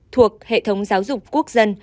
thuộc hệ thống giáo dục quốc dân